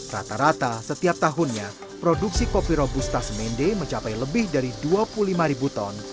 rata rata setiap tahunnya produksi kopi robusta semende mencapai lebih dari dua puluh lima ribu ton